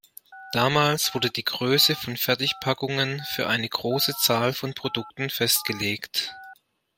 Damals wurde die Größe von Fertigpackungen für eine große Zahl von Produkten festgelegt.